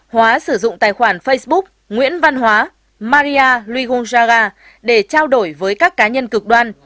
hóa sử dụng tài khoản facebook nguyễn văn hóa maria luigu jaga để trao đổi với các cá nhân cực đoan